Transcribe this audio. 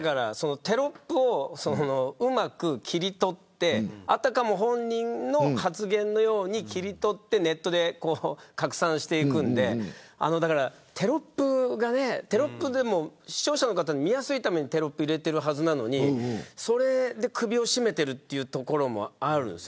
テロップをうまく切り取ってあたかも本人の発言のように切り取ってネットで拡散していくので視聴者の方に見やすいためにテロップ入れているはずなのにそれで首を絞めているところもあるんです。